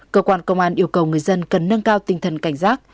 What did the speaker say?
cơ quan công an yêu cầu người dân cần nâng cao tinh thần cảnh giác